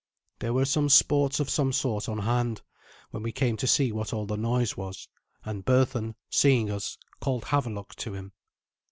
There were some sports of some sort on hand, when we came to see what all the noise was; and Berthun, seeing us, called Havelok to him.